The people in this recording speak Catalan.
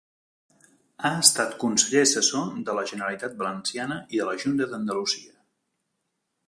Ha estat conseller assessor de la Generalitat Valenciana i de la Junta d'Andalusia.